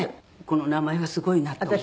この名前はすごいなと思って。